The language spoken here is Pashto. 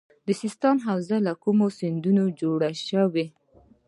د سیستان حوزه له کومو سیندونو جوړه شوې؟